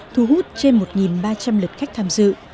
thu hút trên một ba trăm linh lượt khách tham dự